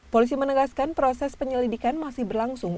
polisi menegaskan proses penyelidikan masih berlangsung